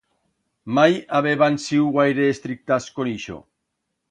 Mai habeban siu guaire estrictas con ixo.